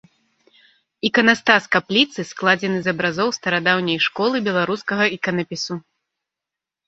Іканастас капліцы складзены з абразоў старадаўняй школы беларускага іканапісу.